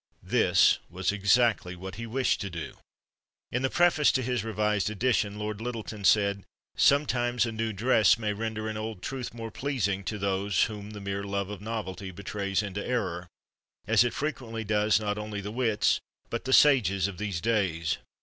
This was exactly what he wished to do. In the Preface to his revised edition Lord Lyttelton said, "Sometimes a new dress may render an old truth more pleasing to those whom the mere love of novelty betrays into error, as it frequently does not only the wits, but the sages of these days.